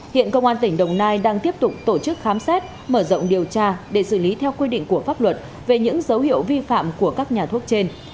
hiện công an tỉnh đồng nai đang tiếp tục tổ chức khám xét mở rộng điều tra để xử lý theo quy định của pháp luật về những dấu hiệu vi phạm của các nhà thuốc trên